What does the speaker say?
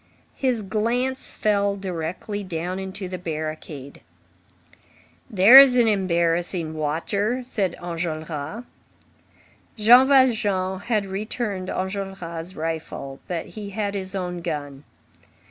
His glance fell directly down into the barricade. "There's an embarrassing watcher," said Enjolras. Jean Valjean had returned Enjolras' rifle, but he had his own gun.